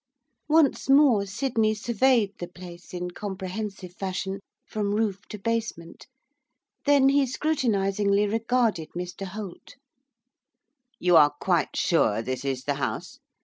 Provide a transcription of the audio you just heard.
Once more Sydney surveyed the place, in comprehensive fashion, from roof to basement, then he scrutinisingly regarded Mr Holt. 'You are quite sure this is the house?